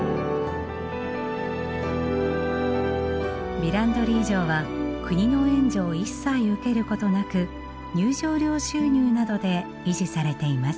ヴィランドリー城は国の援助を一切受けることなく入場料収入などで維持されています。